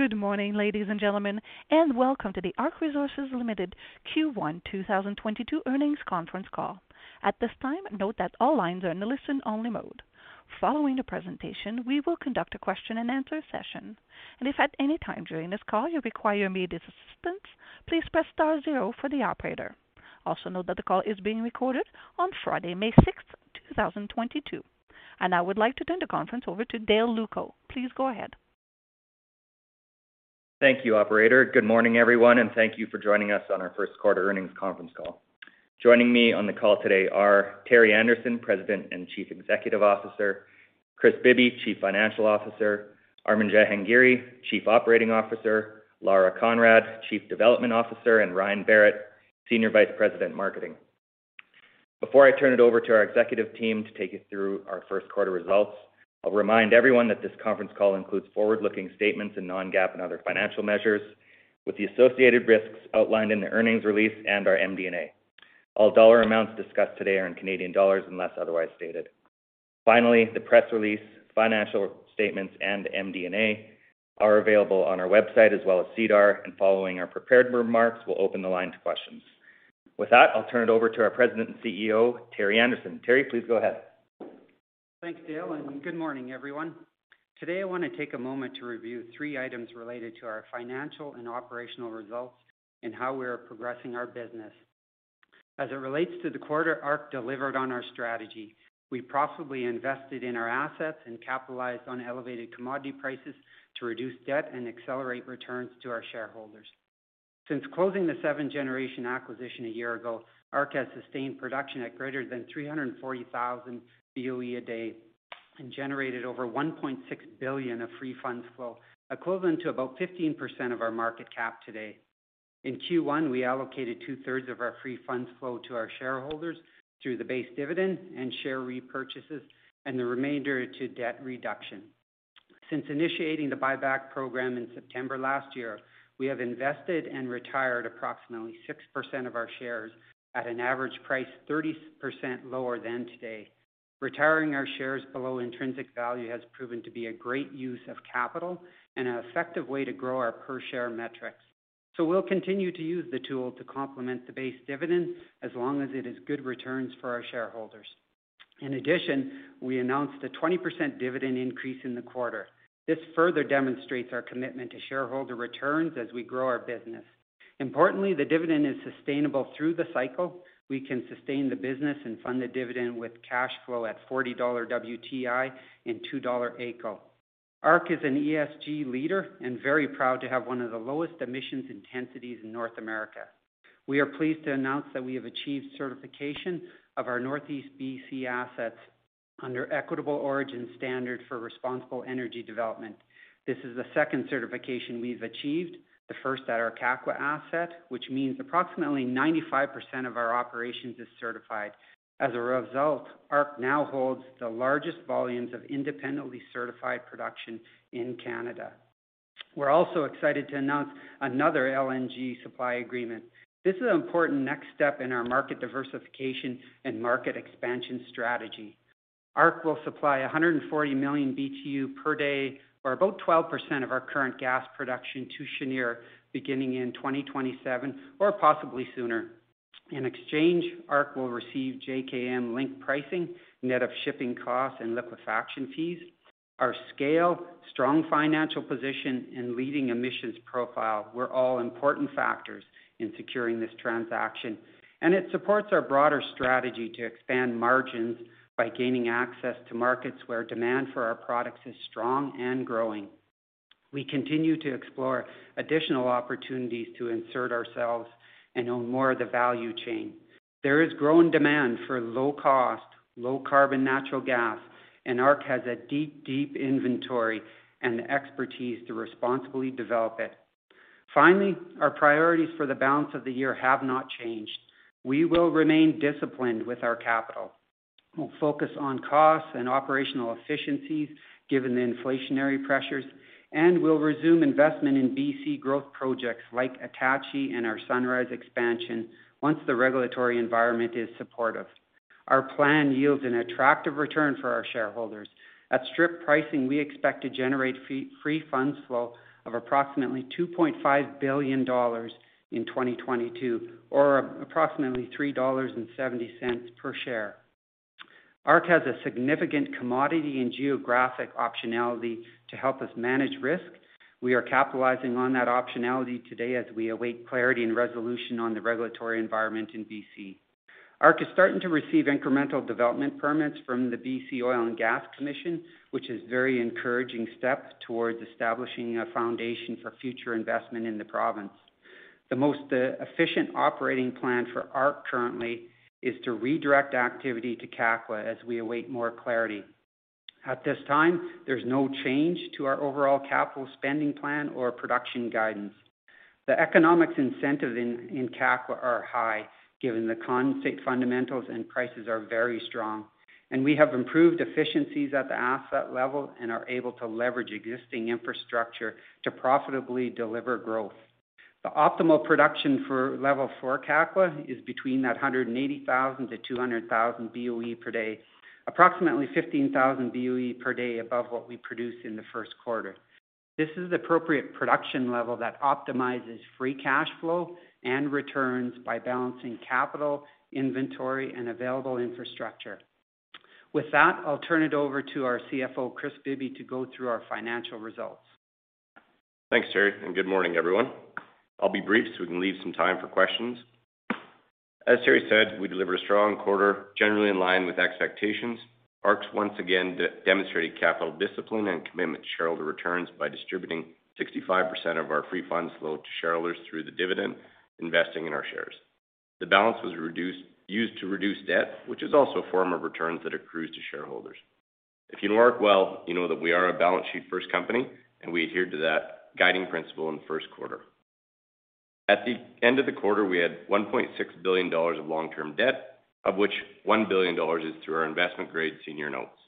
Good morning, ladies and gentlemen, and welcome to the ARC Resources Ltd. Q1 2022 earnings conference call. At this time, note that all lines are in a listen only mode. Following the presentation, we will conduct a question and answer session. If at any time during this call you require immediate assistance, please press star zero for the operator. Also note that the call is being recorded on Friday, May 6, 2022. I would like to turn the conference over to Dale Lewko. Please go ahead. Thank you, operator. Good morning, everyone, and thank you for joining us on our Q1 earnings conference call. Joining me on the call today are Terry Anderson, President and Chief Executive Officer, Kris Bibby, Chief Financial Officer, Armin Jahangiri, Chief Operating Officer, Lara Conrad, Chief Development Officer, and Ryan Berrett, Senior Vice President, Marketing. Before I turn it over to our executive team to take you through our Q1 results, I'll remind everyone that this conference call includes forward-looking statements and non-GAAP and other financial measures with the associated risks outlined in the earnings release and our MD&A. All dollar amounts discussed today are in Canadian dollars unless otherwise stated. Finally, the press release, financial statements and MD&A are available on our website as well as SEDAR, and following our prepared remarks, we'll open the line to questions. With that, I'll turn it over to our President and CEO, Terry Anderson. Terry, please go ahead. Thanks, Dale, and good morning, everyone. Today, I want to take a moment to review three items related to our financial and operational results and how we are progressing our business. As it relates to the quarter, ARC delivered on our strategy, we profitably invested in our assets and capitalized on elevated commodity prices to reduce debt and accelerate returns to our shareholders. Since closing the Seven Generations acquisition a year ago, ARC has sustained production at greater than 340,000 BOE a day and generated over 1.6 billion of free funds flow, equivalent to about 15% of our market cap today. In Q1, we allocated two-thirds of our free funds flow to our shareholders through the base dividend and share repurchases and the remainder to debt reduction. Since initiating the buyback program in September last year, we have invested and retired approximately 6% of our shares at an average price 30% lower than today. Retiring our shares below intrinsic value has proven to be a great use of capital and an effective way to grow our per share metrics. We'll continue to use the tool to complement the base dividend as long as it is good returns for our shareholders. In addition, we announced a 20% dividend increase in the quarter. This further demonstrates our commitment to shareholder returns as we grow our business. Importantly, the dividend is sustainable through the cycle. We can sustain the business and fund the dividend with cash flow at $40 WTI and $2 AECO. ARC is an ESG leader and very proud to have one of the lowest emissions intensities in North America. We are pleased to announce that we have achieved certification of our Northeast BC assets under Equitable Origin Standard for Responsible Energy Development. This is the second certification we've achieved, the first at our Kakwa asset, which means approximately 95% of our operations is certified. As a result, ARC now holds the largest volumes of independently certified production in Canada. We're also excited to announce another LNG supply agreement. This is an important next step in our market diversification and market expansion strategy. ARC will supply 140 million BTU per day or about 12% of our current gas production to Cheniere beginning in 2027 or possibly sooner. In exchange, ARC will receive JKM linked pricing net of shipping costs and liquefaction fees. Our scale, strong financial position, and leading emissions profile were all important factors in securing this transaction, and it supports our broader strategy to expand margins by gaining access to markets where demand for our products is strong and growing. We continue to explore additional opportunities to insert ourselves and own more of the value chain. There is growing demand for low cost, low carbon natural gas, and ARC has a deep, deep inventory and the expertise to responsibly develop it. Finally, our priorities for the balance of the year have not changed. We will remain disciplined with our capital. We'll focus on costs and operational efficiencies given the inflationary pressures, and we'll resume investment in BC growth projects like Attachie and our Sunrise expansion once the regulatory environment is supportive. Our plan yields an attractive return for our shareholders. At strip pricing, we expect to generate free funds flow of approximately 2.5 billion dollars in 2022, or approximately 3.70 dollars per share. ARC has a significant commodity and geographic optionality to help us manage risk. We are capitalizing on that optionality today as we await clarity and resolution on the regulatory environment in BC. ARC is starting to receive incremental development permits from the BC Oil and Gas Commission, which is very encouraging step towards establishing a foundation for future investment in the province. The most efficient operating plan for ARC currently is to redirect activity to Kakwa as we await more clarity. At this time, there's no change to our overall capital spending plan or production guidance. The economics incentive in Kakwa are high given the condensate fundamentals and prices are very strong, and we have improved efficiencies at the asset level and are able to leverage existing infrastructure to profitably deliver growth. The optimal production for level four at Kakwa is between 180,000 to 200,000 BOE per day, approximately 15,000 BOE per day above what we produced in the Q1. This is appropriate production level that optimizes free cash flow and returns by balancing capital, inventory, and available infrastructure. With that, I'll turn it over to our CFO, Kris Bibby, to go through our financial results. Thanks, Terry, and good morning, everyone. I'll be brief so we can leave some time for questions. As Terry said, we delivered a strong quarter, generally in line with expectations. ARC's once again re-demonstrated capital discipline and commitment to shareholder returns by distributing 65% of our free funds flow to shareholders through the dividend, investing in our shares. The balance was reduced, used to reduce debt, which is also a form of returns that accrues to shareholders. If ARC well that we are a balance sheet first company, and we adhere to that guiding principle in the Q1. At the end of the quarter, we had 1.6 billion dollars of long-term debt, of which 1 billion dollars is through our investment grade senior notes.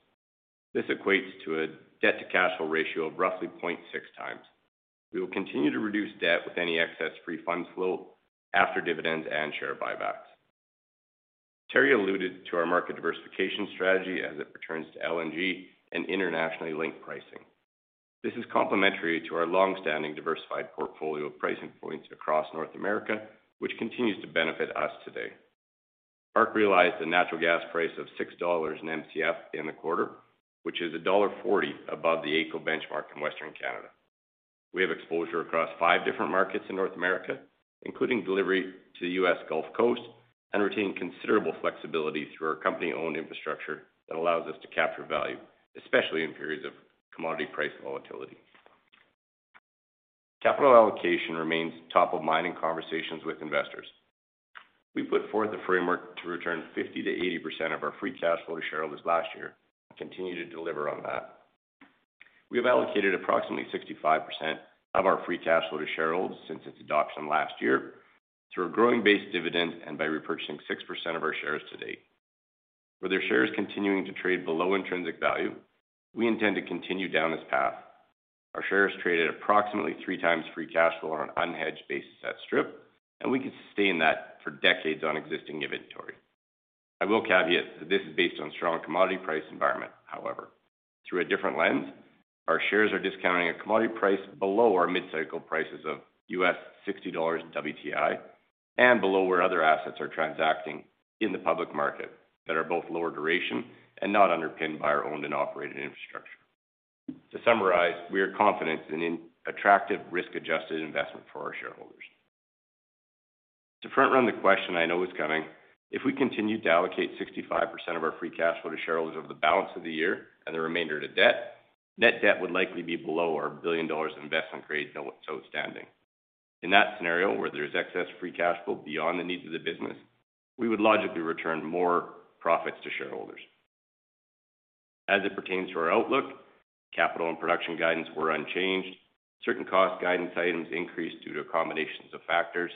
This equates to a debt-to-cash flow ratio of roughly 0.6 times. We will continue to reduce debt with any excess free funds flow after dividends and share buybacks. Terry alluded to our market diversification strategy as it returns to LNG and internationally linked pricing. This is complementary to our long-standing diversified portfolio of pricing points across North America, which continues to benefit us today. ARC realized a natural gas price of 6 dollars/MCF in the quarter, which is dollar 1.40 above the AECO benchmark in Western Canada. We have exposure across 5 different markets in North America, including delivery to the U.S. Gulf Coast, and retain considerable flexibility through our company-owned infrastructure that allows us to capture value, especially in periods of commodity price volatility. Capital allocation remains top of mind in conversations with investors. We put forth a framework to return 50%-80% of our free funds flow to shareholders last year and continue to deliver on that. We have allocated approximately 65% of our free funds flow to shareholders since its adoption last year through a growing base dividend and by repurchasing 6% of our shares to date. With our shares continuing to trade below intrinsic value, we intend to continue down this path. Our shares trade at approximately 3 times free funds flow on an unhedged basis at strip, and we could sustain that for decades on existing inventory. I will caveat that this is based on strong commodity price environment, however. Through a different lens, our shares are discounting a commodity price below our mid-cycle prices of $60 WTI and below where other assets are transacting in the public market that are both lower duration and not underpinned by our owned and operated infrastructure. To summarize, we are confident in an attractive risk-adjusted investment for our shareholders. To front-run the question I know is coming, if we continue to allocate 65% of our free cash flow to shareholders over the balance of the year and the remainder to debt, net debt would likely be below our 1 billion dollars investment grade that's outstanding. In that scenario, where there's excess free cash flow beyond the needs of the business, we would logically return more profits to shareholders. As it pertains to our outlook, capital and production guidance were unchanged. Certain cost guidance items increased due to a combination of factors.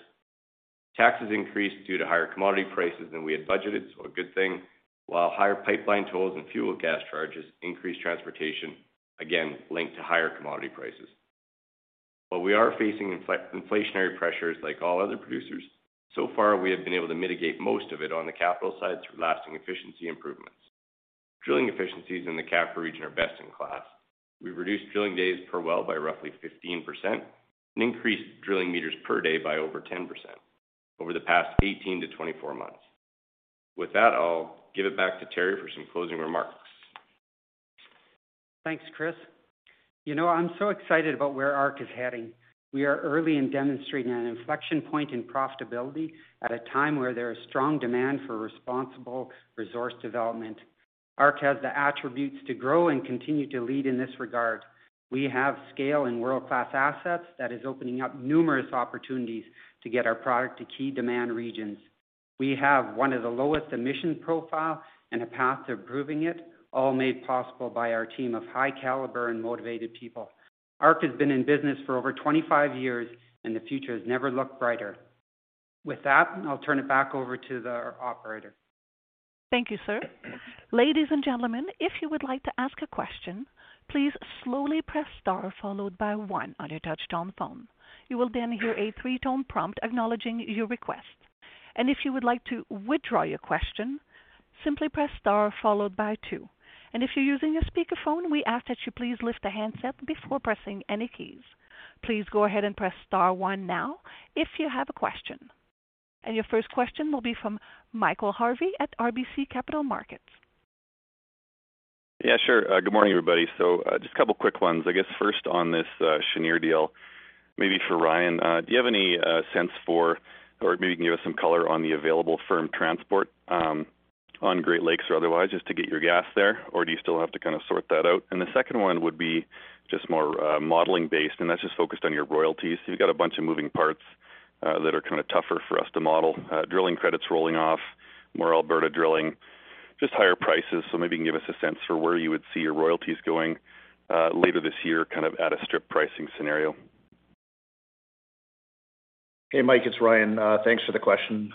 Taxes increased due to higher commodity prices than we had budgeted, so a good thing. While higher pipeline tolls and fuel gas charges increased transportation, again linked to higher commodity prices. While we are facing inflationary pressures like all other producers, so far we have been able to mitigate most of it on the capital side through lasting efficiency improvements. Drilling efficiencies in the Kakwa region are best in class. We've reduced drilling days per well by roughly 15% and increased drilling meters per day by over 10% over the past 18-24 months. With that, I'll give it back to Terry for some closing remarks. Thanks, Kris. I'm so excited about where ARC is heading. We are early in demonstrating an inflection point in profitability at a time where there is strong demand for responsible resource development. ARC has the attributes to grow and continue to lead in this regard. We have scale and world-class assets that is opening up numerous opportunities to get our product to key demand regions. We have one of the lowest emission profile and a path to improving it, all made possible by our team of high caliber and motivated people. ARC has been in business for over 25 years, and the future has never looked brighter. With that, I'll turn it back over to the operator. Thank you, sir. Ladies and gentlemen, if you would like to ask a question, please slowly press star followed by one on your touchtone phone. You will then hear a three-tone prompt acknowledging your request. If you would like to withdraw your question, simply press star followed by two. If you're using a speakerphone, we ask that you please lift the handset before pressing any keys. Please go ahead and press star one now if you have a question. Your first question will be from Michael Harvey at RBC Capital Markets. Yeah, sure. Good morning, everybody. Just a couple quick ones. I guess first on this, Cheniere deal, maybe for Ryan. Do you have any sense for or maybe you can give us some color on the available firm transport on Great Lakes or otherwise just to get your gas there? Or do you still have to kind of sort that out? The second one would be just more modeling based, and that's just focused on your royalties. You've got a bunch of moving parts that are kinda tougher for us to model. Drilling credits rolling off, more Alberta drilling, just higher prices. Maybe you can give us a sense for where you would see your royalties going later this year, kind of at a strip pricing scenario. Hey, Mike, it's Ryan. Thanks for the question.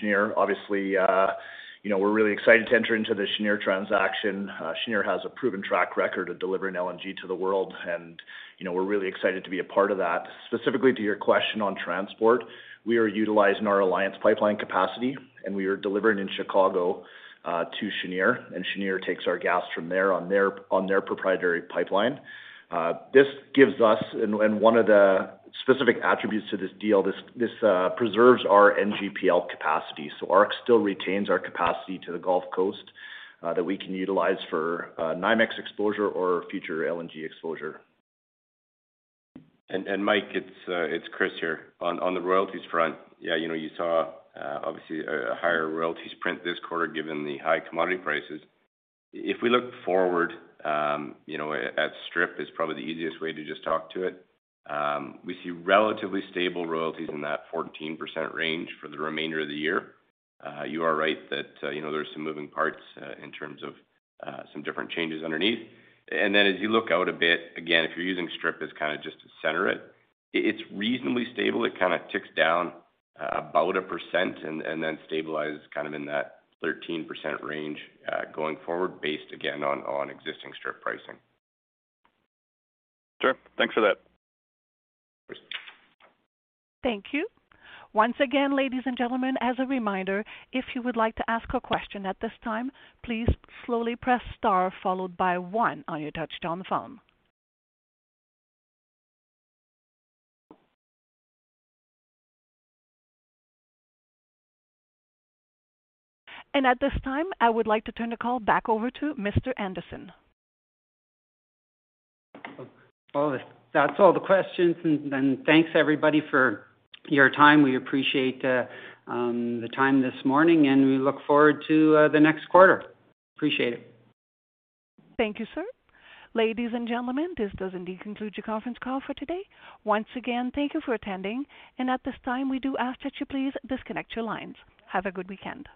Cheniere, obviously we're really excited to enter into the Cheniere transaction. Cheniere has a proven track record of delivering LNG to the world and we're really excited to be a part of that. Specifically, to your question on transport, we are utilizing our Alliance Pipeline capacity and we are delivering in Chicago to Cheniere, and Cheniere takes our gas from there on their proprietary pipeline. One of the specific attributes to this deal, this preserves our NGPL capacity. So ARC still retains our capacity to the Gulf Coast that we can utilize for NYMEX exposure or future LNG exposure. Mike, it's Chris here. On the royalties front, yeah you saw obviously a higher royalties print this quarter given the high commodity prices. If we look forward at strip is probably the easiest way to just talk to it. We see relatively stable royalties in that 14% range for the remainder of the year. You are right that there's some moving parts in terms of some different changes underneath. Then as you look out a bit, again, if you're using strip as kinda just to center it's reasonably stable. It kinda ticks down about 1% and then stabilizes kind of in that 13% range going forward based again on existing strip pricing. Sure. Thanks for that. Cheers. Thank you. Once again, ladies and gentlemen, as a reminder, if you would like to ask a question at this time, please slowly press star followed by one on your touchtone phone. At this time, I would like to turn the call back over to Mr. Anderson. Well, that's all the questions and then thanks everybody for your time. We appreciate the time this morning and we look forward to the next quarter. Appreciate it. Thank you, sir. Ladies and gentlemen, this does indeed conclude your conference call for today. Once again, thank you for attending. At this time we do ask that you please disconnect your lines. Have a good weekend.